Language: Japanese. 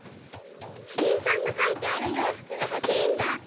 キリンさんのかいてあるようふくがほしいんだ！